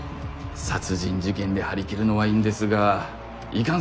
殺人事件で張り切るのはいいんですがいかん